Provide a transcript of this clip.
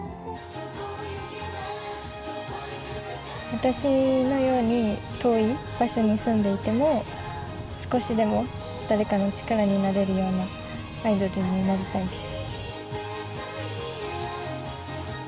私のように遠い場所に住んでいても少しでも誰かの力になれるようなアイドルになりたいです。